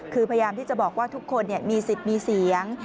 คือพยายามที่จะบอกว่าทุกคนมีสิทธิ์มีเสียง